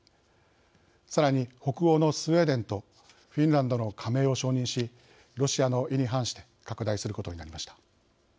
さらに、北欧のスウェーデンとフィンランドの加盟を承認しロシアの意に反して拡大することになりました。